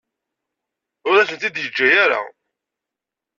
Ur asen-t-id-yeǧǧa ara.